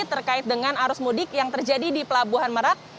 terkait dengan arus mudik yang terjadi di pelabuhan merak